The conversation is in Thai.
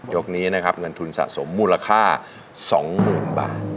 ยกนี้นะครับเงินทุนสะสมมูลค่าสองหมื่นบาท